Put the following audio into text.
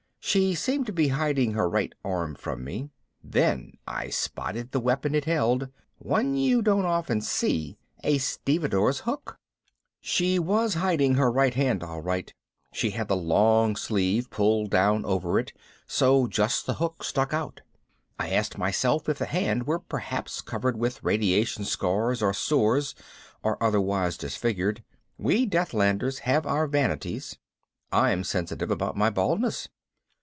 She seemed to be hiding her right arm from me. Then I spotted the weapon it held, one you don't often see, a stevedore's hook. She was hiding her right hand, all right, she had the long sleeve pulled down over it so just the hook stuck out. I asked myself if the hand were perhaps covered with radiation scars or sores or otherwise disfigured. We Deathlanders have our vanities. I'm sensitive about my baldness.